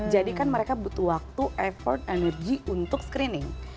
jadi kan mereka butuh waktu effort energy untuk screening